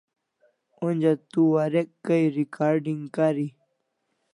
Onja to warek kai recarding kari